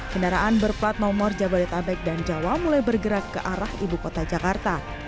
kendaraan berplat nomor jabodetabek dan jawa mulai bergerak ke arah ibu kota jakarta